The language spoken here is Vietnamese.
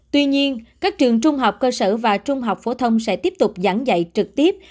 tuy nhiên các trường trung học cơ sở và trung học phổ thông sẽ tiếp tục giảng dạy trực tiếp